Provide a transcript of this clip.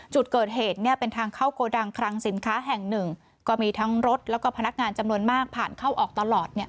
จุดเกิดเหตุเนี่ยเป็นทางเข้าโกดังคลังสินค้าแห่งหนึ่งก็มีทั้งรถแล้วก็พนักงานจำนวนมากผ่านเข้าออกตลอด